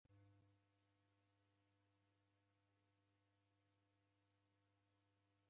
Kwawe'nda hao mwanidu kwaela huw'u?